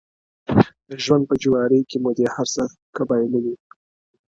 د ژوند په جوارۍ کي مو دي هر څه که بایللي,